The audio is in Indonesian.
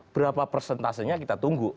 berapa persentasenya kita tunggu